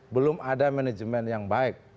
belum ada manajemen yang baik